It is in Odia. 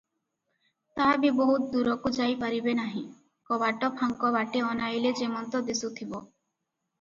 ତା’ ବି ବହୁତ ଦୂରକୁ ଯାଇ ପାରିବେ ନାହିଁ, କବାଟ ଫାଙ୍କ ବାଟେ ଅନାଇଲେ ଯେମନ୍ତ ଦିଶୁଥିବ ।